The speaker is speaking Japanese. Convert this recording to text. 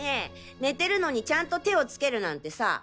寝てるのにちゃんと手をつけるなんてさ。